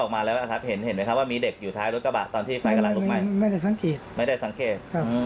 ไม่ได้สังเกต